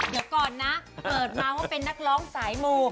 เดี๋ยวก่อนนะเปิดมาว่าเป็นนักร้องสายมู